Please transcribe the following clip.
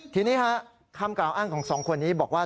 ทีนี้คำกล่าวอ้างของสองคนนี้บอกว่า